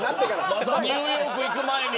ニューヨーク行く前に。